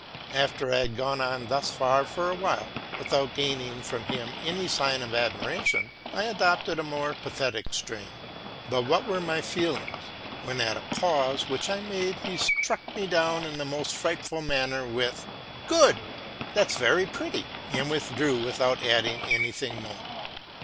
After I had gone on thus for a while, without luring from him any sign of admiration, I adopted a more pathetic strain; but what were my feelings, when, at a pause which I made, he struck me down in the most frightful manner, with, '+ Well, that's very pretty,'' and withdrew without adding any thing more.